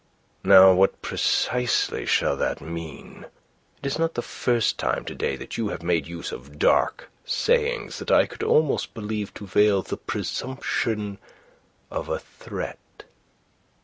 "Now what precisely shall that mean? It is not the first time to day that you have made use of dark sayings that I could almost believe to veil the presumption of a threat."